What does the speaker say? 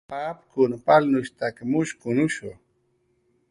Papkun palnushstak mushkunushu